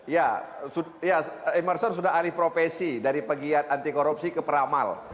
ya emerson sudah alih profesi dari pegiat anti korupsi ke peramal